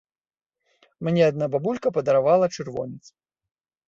Мне адна бабулька падаравала чырвонец.